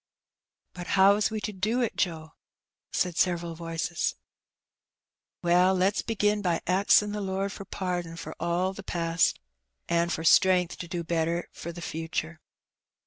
But how is we to do it, Joe?" said several voices. Well^ lefs begin by axin' the Lord for pardon for all the past, an' for strength to do better for the future."